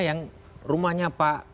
yang rumahnya pak